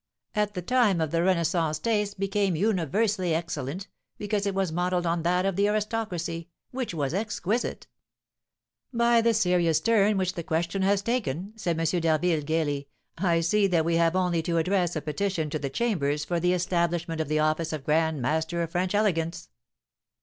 "At the time of the Renaissance taste became universally excellent, because it was modelled on that of the aristocracy, which was exquisite." "By the serious turn which the question has taken," said M. d'Harville, gaily, "I see that we have only to address a petition to the Chambers for the establishment of the office of grand master of French elegance."